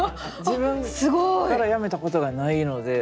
自分から辞めたことがないので。